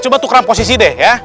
coba tukram posisi deh ya